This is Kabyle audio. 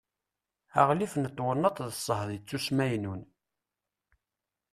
aɣlif n twennaḍt d ṣṣehd ittusmaynun